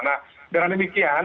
nah dengan demikian